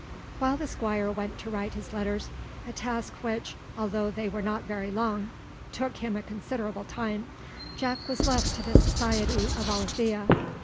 While the Squire went to write his letters a task which, although they were not very long, took him a considerable time Jack was left to the society of Alethea.